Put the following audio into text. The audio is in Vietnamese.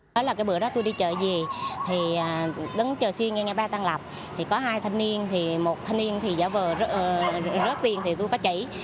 đó là cái bữa đó tôi đi trợ gì thì đứng trợ xe ngay ngay ba tăng lập thì có hai thanh niên một thanh niên thì giả vờ rớt tiền thì tôi phải chảy